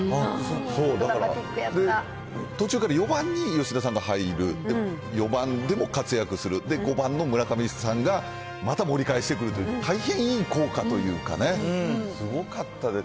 そう、だから途中から４番に吉田さんが入る、４番でも活躍する、５番の村上さんがまた盛り返してくるという、大変いい効果というかね、すごかったです。